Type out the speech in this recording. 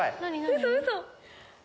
ウソウソ？